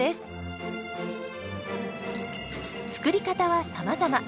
作り方はさまざま。